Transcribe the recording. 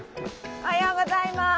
おはようございます。